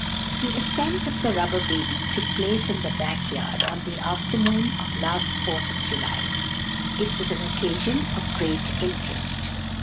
THE ascent of the Rubber Baby took place in the back yard on the afternoon of last Fourth of July. It was an occasion of great interest.